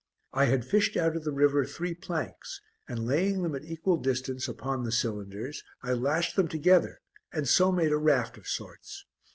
I had fished out of the river three planks, and laying them at equal distance upon the cylinders, I lashed them together and so made a raft of sorts.